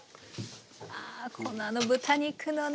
あこのあの豚肉のね